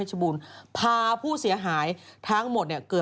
สวัสดีค่าข้าวใส่ไข่